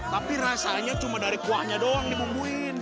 tapi rasanya cuma dari kuahnya doang dibumbuin